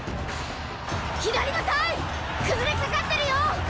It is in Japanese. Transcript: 左の隊崩れかかってるよ！